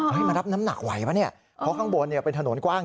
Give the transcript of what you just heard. มารับน้ำหนักไหวป่ะเนี่ยเพราะข้างบนเป็นถนนกว้าง